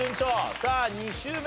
さあ２周目です。